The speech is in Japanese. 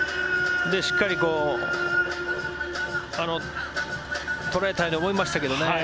しっかり捉えたように思いましたけどね。